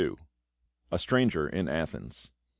A STRANGER IN ATHENS.